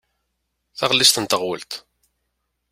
Taɣellist n teɣwelt.